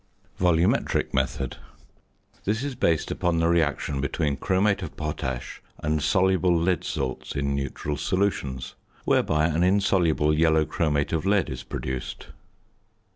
VOLUMETRIC METHOD. This is based upon the reaction between chromate of potash and soluble lead salts in neutral solutions, whereby an insoluble yellow chromate of lead is produced.